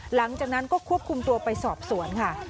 หลังจากนั้นก็ควบคุมตัวไปสอบสวนค่ะ